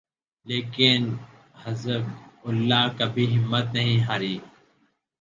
لیکن Hezbollah کبھی ہمت نہیں ہاری۔